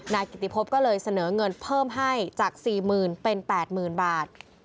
นายกิติพบก็เลยเสนอเงินเพิ่มให้จาก๔๐๐๐เป็น๘๐๐๐บาท